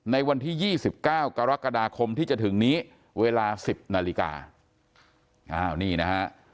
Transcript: ในวันที่ยี่สิบเก้ากรกฎาคมที่จะถึงนี้เวลาสิบนาฬิกา